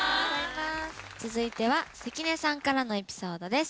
続いてはせきねさんからのエピソードです。